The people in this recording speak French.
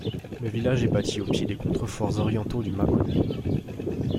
Le village est bâti au pied des contreforts orientaux du Mâconnais.